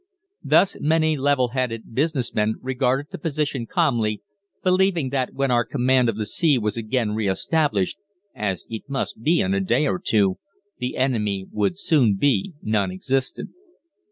Thus many level headed business men regarded the position calmly, believing that when our command of the sea was again re established, as it must be in a day or two, the enemy would soon be non existent.